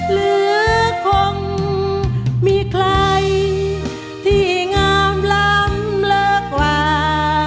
หรือคงมีใครที่งามล้ำเลิกกว่า